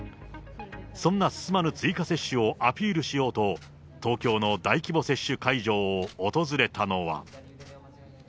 そんな進まぬ追加接種をアピールしようと、東京の大規模接種会場を訪れたのは。